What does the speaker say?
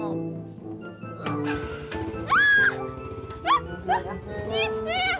aku mau jalan